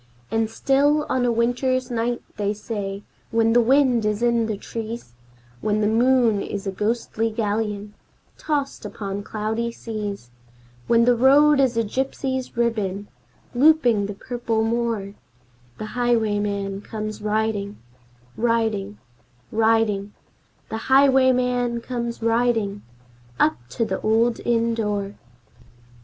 And still on a winter's night, they say, when the wind is in the trees, When the moon is a ghostly galleon tossed upon cloudy seas, When the road is a gypsy's ribbon looping the purple moor, The highwayman comes riding Riding riding The highwayman comes riding, up to the old inn door.